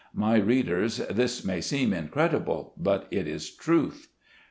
My readers, this may seem incredible, but it is truth.